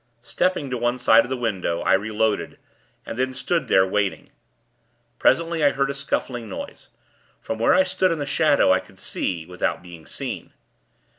Stepping to one side of the window, I reloaded, and then stood there, waiting. Presently, I heard a scuffling noise. From where I stood in the shadow, I could see, without being seen.